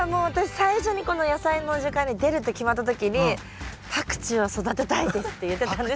最初にこの「やさいの時間」に出るって決まった時にパクチーを育てたいですって言ってたんですよ。